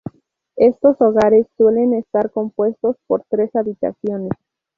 Estos hogares suelen estar compuestos por tres habitaciones.